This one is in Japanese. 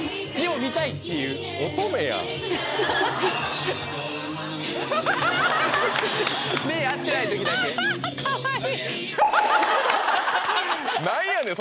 見たいっていう乙女やん目合ってない時だけアハハかわいい何やねん！